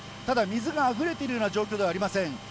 ただ、水があふれているような状況ではありません。